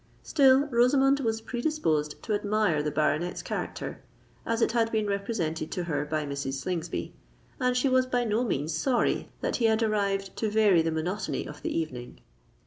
Still Rosamond was predisposed to admire the baronet's character, as it had been represented to her by Mrs. Slingsby; and she was by no means sorry that he had arrived to vary the monotony of the evening.